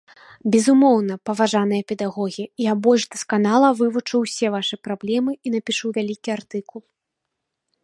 Безумоўна, паважаныя педагогі, я больш дасканала вывучу ўсе вашы праблемы і напішу вялікі артыкул.